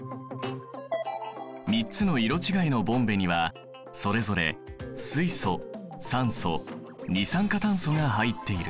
３つの色違いのボンベにはそれぞれ水素酸素二酸化炭素が入っている。